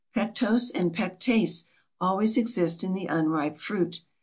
Pectose and pectase always exist in the unripe fruit.